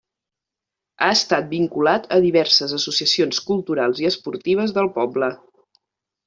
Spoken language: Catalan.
Ha estat vinculat a diverses associacions culturals i esportives del poble.